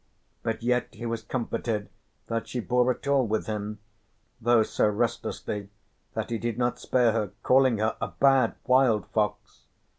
But yet he was comforted that she bore at all with him, though so restlessly that he did not spare her, calling her a "bad wild fox."